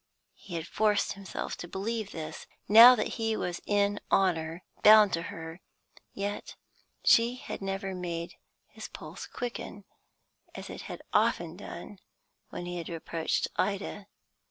He had forced himself to believe this, now that he was in honour bound to her; yet she had never made his pulse quicken, as it had often done when he had approached Ida.